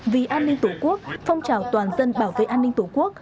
vì an ninh tổ quốc phong trào toàn dân bảo vệ an ninh tổ quốc